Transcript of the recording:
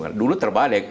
kalau kita balik